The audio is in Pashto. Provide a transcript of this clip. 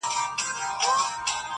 چي د ښار خلک به ستړي په دعا کړم!.